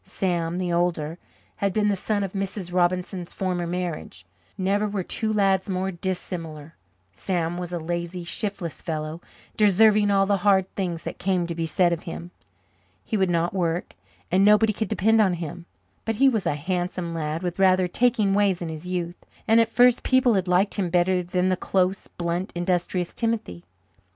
Sam, the older, had been the son of Mrs. Robinson's former marriage. Never were two lads more dissimilar. Sam was a lazy, shiftless fellow, deserving all the hard things that came to be said of him. He would not work and nobody could depend on him, but he was a handsome lad with rather taking ways in his youth, and at first people had liked him better than the close, blunt, industrious Timothy.